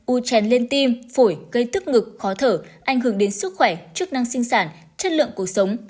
u trèn lên tim phổi gây tức ngực khó thở ảnh hưởng đến sức khỏe chức năng sinh sản chất lượng cuộc sống